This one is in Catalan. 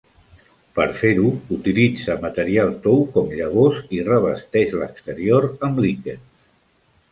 Per fer-ho utilitza material tou com llavors i revesteix l'exterior amb líquens.